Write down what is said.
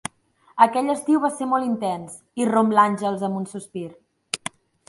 Aquell estiu va ser molt intens –irromp l'Àngels amb un sospir–.